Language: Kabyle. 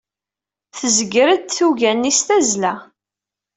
Tezger-d tuga-nni s tazzla.